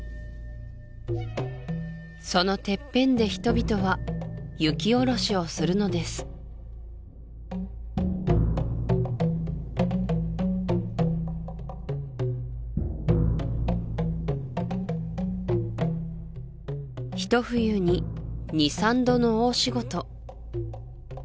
そのてっぺんで人々は雪下ろしをするのですひと冬に２３度の大仕事